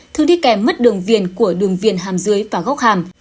thường đi kèm mất đường viền của đường viền hàm dưới và góc hàm